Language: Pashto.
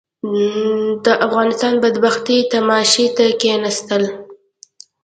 د افغانستان بدبختي تماشې ته کښېناستل.